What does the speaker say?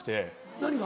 何が？